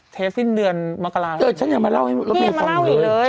เทสต์สิ้นเดือนมกราเออฉันยังมาเล่าให้พี่ยังมาเล่าให้ฟังเลย